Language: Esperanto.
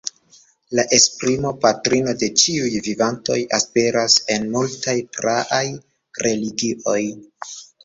La esprimo "patrino de ĉiuj vivantoj" aperas en multaj praaj religioj.